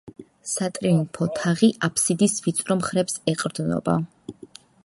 სატრიუმფო თაღი აბსიდის ვიწრო მხრებს ეყრდნობა.